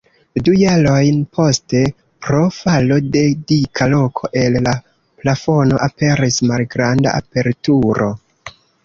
Du jarojn poste, pro falo de dika roko el la plafono, aperis malgranda aperturo.